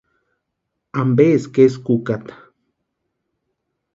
¿Ampeeski eskwa úkata?